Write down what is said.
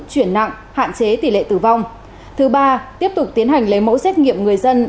chuyển nặng hạn chế tỷ lệ tử vong thứ ba tiếp tục tiến hành lấy mẫu xét nghiệm người dân